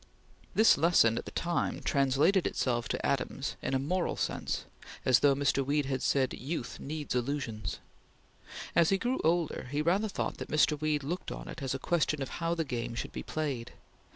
This lesson, at the time, translated itself to Adams in a moral sense, as though Mr. Weed had said: "Youth needs illusions!" As he grew older he rather thought that Mr. Weed looked on it as a question of how the game should be played.